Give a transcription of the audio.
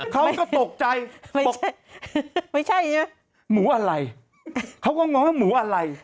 ไม่ใช่มั๊ยใช่หมูอะไรเขาก็มองว่าหมูอะไร